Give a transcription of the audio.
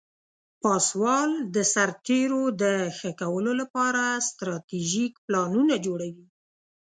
پاسوال د سرتیرو د ښه کولو لپاره استراتیژیک پلانونه جوړوي.